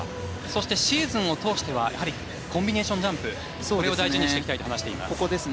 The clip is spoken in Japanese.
そしてシーズンを通してはコンビネーションジャンプを大事にしていきたいと話しています。